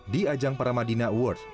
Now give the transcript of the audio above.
di ajang paramadina awards